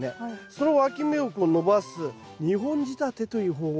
そのわき芽を伸ばす２本仕立てという方法もあるんです。